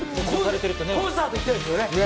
コンサート、行きたいですよね。